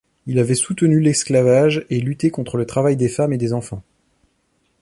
Il avait soutenu l'esclavage et lutté contre le travail des femmes et des enfants.